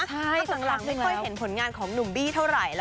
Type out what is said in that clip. ตอนนี้ทางลงไม่เห็นผลงานของนุ่มบิเท่าไหร่